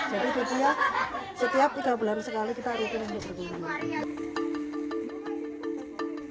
jadi dia setiap tiga bulan sekali kita rutin untuk berguna